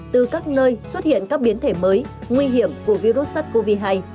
từ các nơi xuất hiện các biến thể mới nguy hiểm của virus sars cov hai